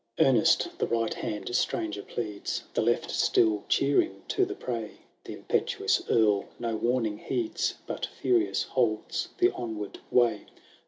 d — XVIII Earnest the right hand Stranger pleads, The left still cheering to the prey ; The impetuous Earl no warning heeds, But furious holds the onward way.